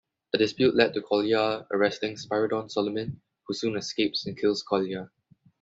A dispute leads to Kolya arresting Spiridon Solomin, who soon escapes and kills Kolya.